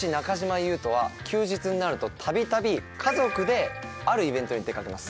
裕翔は休日になると度々家族であるイベントに出かけます